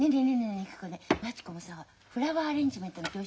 ゆき子町子もさフラワーアレンジメントの教室